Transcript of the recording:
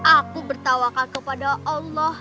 aku bertawakan kepada allah